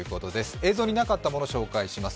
映像になかったものを紹介します。